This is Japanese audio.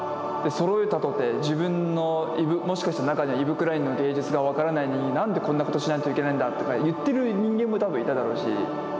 そろえたとて自分のもしかして中にはイヴ・クラインの芸術が分からないのに何でこんなことしないといけないんだとか言ってる人間も多分いただろうし。